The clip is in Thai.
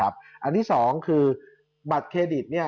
อันที่๒บัตรเย็บเครดิต